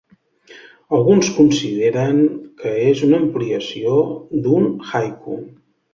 Alguns consideren que és una ampliació d'un haiku.